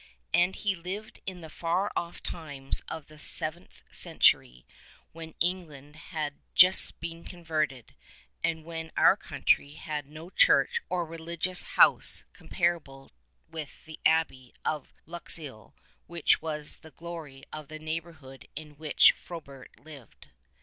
And he lived in the far off times of the seventh century when Eng land had just been converted, and when our country had no church or religious house comparable with that Abbey of Luxeuil which was the glory of the neighborhood in which Frobert lived.